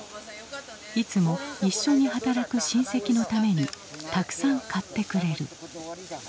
いつも一緒に働く親戚のためにたくさん買ってくれる。